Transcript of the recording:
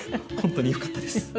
本当によかったです。